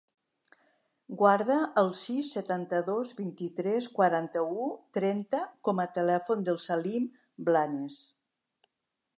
Guarda el sis, setanta-dos, vint-i-tres, quaranta-u, trenta com a telèfon del Salim Blanes.